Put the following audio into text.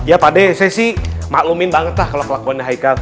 ya pak d saya sih maklumin banget lah kalo kelakuannya haikal